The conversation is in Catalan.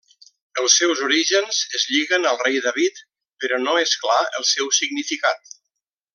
Els seus orígens es lliguen al rei David però no és clar el seu significat.